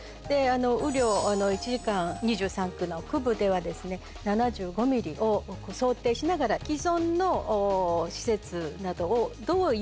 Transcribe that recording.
雨量１時間２３区の区部では７５ｍｍを想定しながら既存の施設などを。